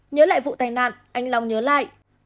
nhớ lại vụ tài nạn anh long nhớ lại